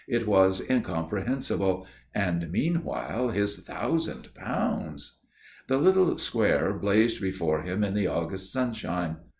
It was incomprehensible and meanwhile, his thousand pounds.... The little square blazed before him in the August sunshine.